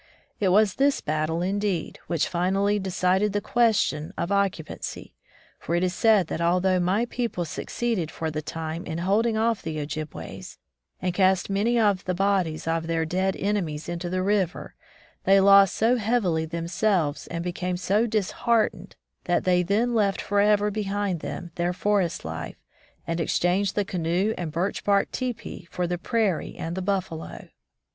It was this battle, indeed, which finally decided the question of occupancy, for it is said that although my people suc ceeded for the time in holding off the Ojib 172 Back to the Woods ways, and cast many of the bodies of their dead enemies into the river, they lost so heavily themselves and became so dis heartened that they then left forever behind them their forest life and exchanged the canoe and birch bark teepee for the prairie and the buffalo.